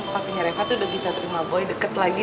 waktunya reva tuh udah bisa terima boy deket lagi